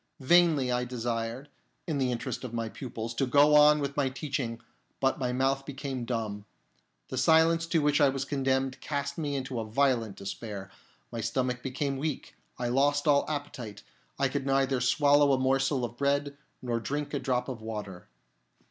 Vainly I desired, in the interest of my pupils, to go on with my teaching, but my mouth became dumb. The silence to which I was condemned cast me into a violent despair ; my stomach became weak ; I lost all appetite ; I could neither swallow a morsel of bread nor drink a drop of water.